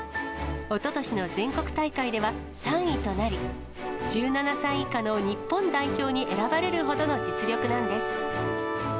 おととしの全国大会では３位となり、１７歳以下の日本代表に選ばれるほどの実力なんです。